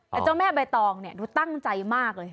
แต่เจ้าแม่ใบตองเนี่ยดูตั้งใจมากเลย